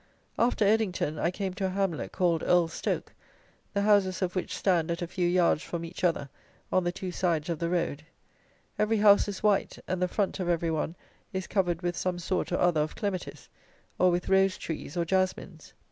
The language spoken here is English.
After Eddington I came to a hamlet called Earl's Stoke, the houses of which stand at a few yards from each other on the two sides of the road; every house is white; and the front of every one is covered with some sort or other of clematis, or with rose trees, or jasmines.